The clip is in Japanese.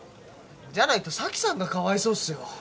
じゃないと咲さんがかわいそうっすよ。